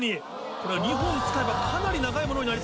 これは２本使えばかなり長いものになりそうです。